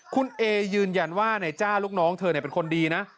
คุณเอยืนยันว่านายจ้าลูกน้องเธอเป็นคนดีนะ